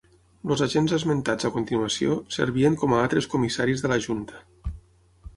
Els agents esmentats a continuació servien com a altres comissaris de la junta.